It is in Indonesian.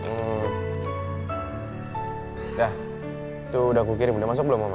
udah itu udah aku kirim udah masuk belum oma